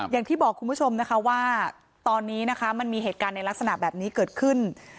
อย่างที่บอกคุณผู้ชมนะคะว่าตอนนี้นะคะมันมีเหตุการณ์ในลักษณะแบบนี้เกิดขึ้น